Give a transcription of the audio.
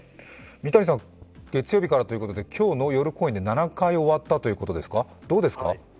三谷さん、月曜日からということで今日の夜公演で７回終わったということですか？